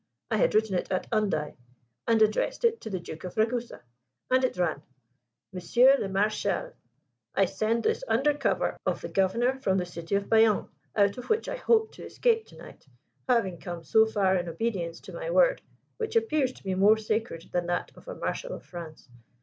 I had written it at Hendaye, and addressed it to the Duke of Ragusa; and it ran "MONSIEUR LE MARECHAL, I send this under cover of the Governor from the city of Bayonne, out of which I hope to escape to night, having come so far in obedience to my word, which appears to be more sacred than that of a Marshal of France.